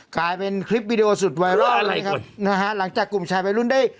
กลายเป็นคลิปวิดีโอสุดไวรัลเลยครับนะฮะหลังจากกลุ่มชายวัยรุ่นได้